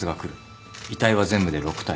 遺体は全部で６体。